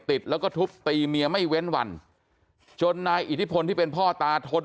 ติดแล้วก็ทุบตีเมียไม่เว้นวันจนนายอิทธิพลที่เป็นพ่อตาทน